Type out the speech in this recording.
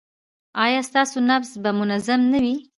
ایا ستاسو نبض به منظم نه وي؟